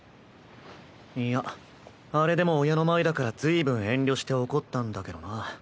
いやあれでも親の前だから随分遠慮して怒ったんだけどな。